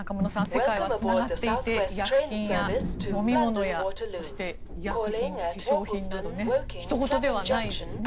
世界はつながっていて医薬品や飲み物やそして医薬品、化粧品などひと事ではないですね。